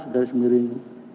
garis miring dua ribu tiga belas